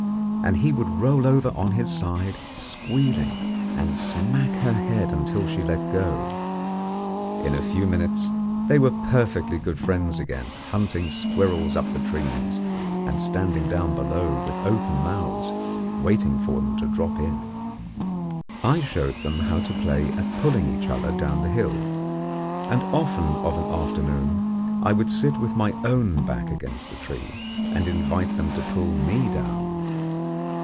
And he would roll over on his side, squealing, and smack her head until she let go. In a few minutes they were perfectly good friends again hunting squirrels up the trees, and standing down below with open mouths, waiting for them to drop in. I showed them how to play at pulling each other down the hill, and often of an afternoon I would sit with my own back against the tree, and invite them to pull me down.